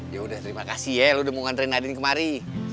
yaudah terima kasih ya lu udah mau ngantri nadin kemari